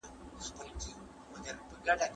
استاد یو داسې شخصیت و چې په خبرو کې یې وزن و.